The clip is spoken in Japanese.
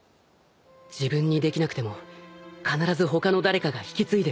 自分にできなくても必ず他の誰かが引き継いでくれる。